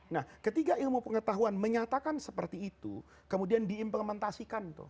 nah ketika ilmu pengetahuan menyatakan seperti itu kemudian diimplementasikan